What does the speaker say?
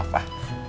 bapak masuk bu guru